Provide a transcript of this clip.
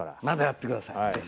まだやって下さい。